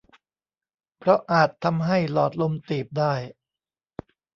เพราะอาจทำให้หลอดลมตีบได้